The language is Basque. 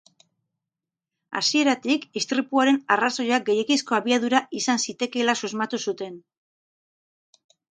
Hasieratik, istripuaren arrazoia gehiegizko abiadura izan zitekeela susmatu zuten.